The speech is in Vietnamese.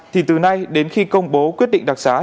thì từ nay đến khi công bố quyết định đặc xá